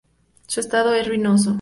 Su estado es ruinoso.